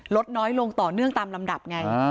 ลดน้อยลงต่อเนื่องตามลำดับไง